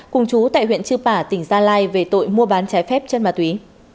cùng chú tại huyện chư pả tỉnh gia lai về tội mua bán trái phép chân ma túy